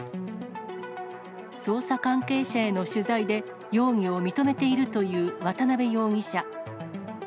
捜査関係者への取材で、容疑を認めているという渡辺容疑者。